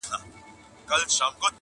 چي راضي مُلا چرګک او خپل پاچا کړي!!